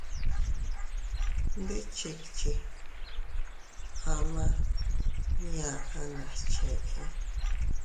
Ndichichi ama iiyaa nas cheé.